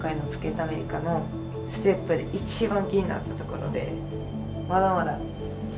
アメリカのステップで一番気になったところで。